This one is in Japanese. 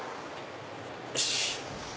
よし！